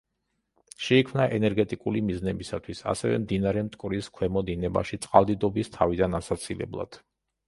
შეიქმნა ენერგეტიკული მიზნებისათვის, ასევე მდინარე მტკვრის ქვემო დინებაში წყალდიდობის თავიდან ასაცილებლად.